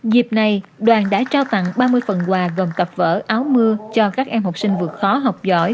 dịp này đoàn đã trao tặng ba mươi phần quà gồm cặp vở áo mưa cho các em học sinh vượt khó học giỏi